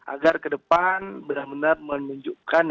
agar ke depan benar benar menunjukkan